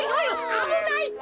あぶないって。